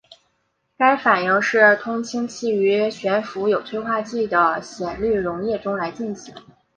该反应是通氢气于悬浮有催化剂的酰氯溶液中来进行。